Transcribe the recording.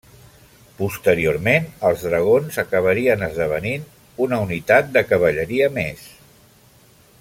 Posteriorment els dragons acabarien esdevenint una unitat de cavalleria més.